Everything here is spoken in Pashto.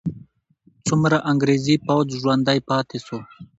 څومره انګریزي پوځ ژوندی پاتې سو؟